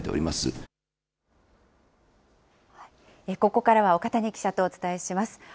ここからは岡谷記者とお伝えします。